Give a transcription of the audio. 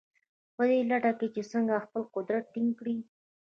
په دې لټه کې دي چې څنګه خپل قدرت ټینګ کړي.